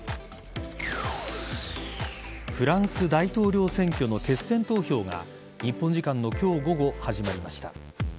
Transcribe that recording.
フランス大統領選挙の決選投票が日本時間の今日午後始まりました。